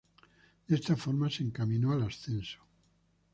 De esta forma, se encaminó al ascenso.